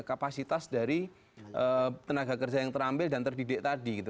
kapasitas dari tenaga kerja yang terampil dan terdidik tadi gitu